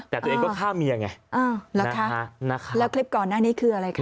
แต่ตัวเองก็ฆ่าเมียไงอ้าวนะคะแล้วคลิปก่อนหน้านี้คืออะไรคะ